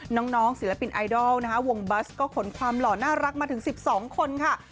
น้องศิลปินไอดอลนะคะวงบัสก็ขนความหล่อน่ารักมาถึง๑๒คนค่ะ